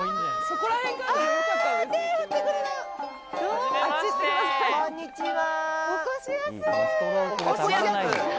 こんにちは。